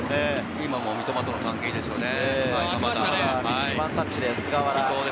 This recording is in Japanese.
今も、三笘との関係ですよね。